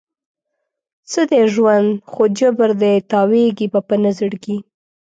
څه دی ژوند؟ خو جبر دی، تاویږې به په نه زړګي